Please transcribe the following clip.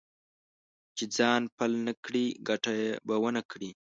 چې ځان پل نه کړې؛ ګټه به و نه کړې.